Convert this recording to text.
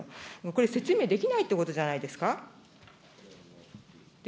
これ、説明できないということじゃないですか。